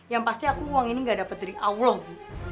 yang pasti aku uang ini gak dapat dari allah bu